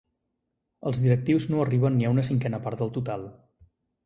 Els directius no arriben ni a una cinquena part del total.